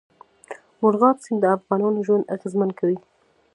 مورغاب سیند د افغانانو ژوند اغېزمن کوي.